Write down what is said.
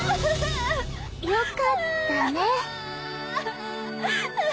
よかったね。